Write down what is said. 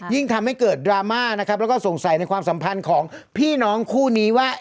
ยิ่งทำให้เกิดดราม่านะครับแล้วก็สงสัยในความสัมพันธ์ของพี่น้องคู่นี้ว่า